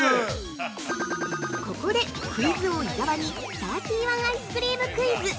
◆ここでクイズ王・伊沢にサーティワン・アイスクリームクイズ。